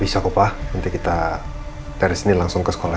ya kan sa